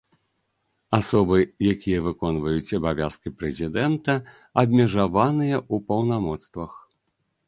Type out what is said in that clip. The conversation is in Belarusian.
Асобы, якія выконваюць абавязкі прэзідэнта, абмежаваныя ў паўнамоцтвах.